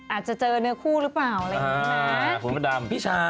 อาจจะเจอเนื้อคู่หรือเปล่าอะไรอย่างนี้นะ